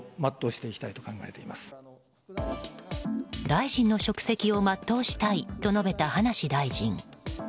大臣の職責を全うしたいと述べた葉梨大臣。